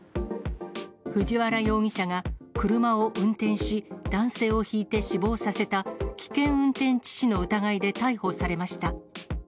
藤原容疑者が車を運転し、男性をひいて死亡させた、危険運転致死の疑いで逮捕されました。